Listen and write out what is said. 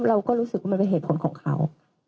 เราก็รู้สึกว่ามันเป็นเหตุผลของเขา